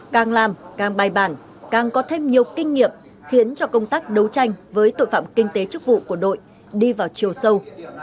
càng làm càng bài bản càng có thêm nhiều kinh nghiệm khiến cho công tác đấu tranh với tội phạm kinh tế chức vụ của đội đi vào chiều sâu